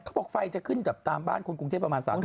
เขาบอกไฟจะขึ้นแบบตามบ้านคุณกรุงเชษประมาณ๓๐เปอร์เซ็นต์